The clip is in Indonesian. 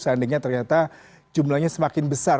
seandainya ternyata jumlahnya semakin besar